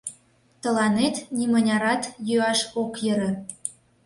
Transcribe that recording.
— Тыланет нимынярат йӱаш ок йӧрӧ.